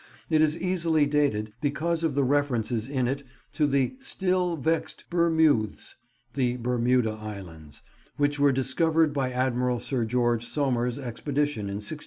It is easily dated, because of the references in it to the "still vex'd Bermoothes," the Bermuda islands, which were discovered by Admiral Sir George Somers' expedition in 1609.